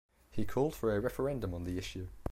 He called for a referendum on the issue.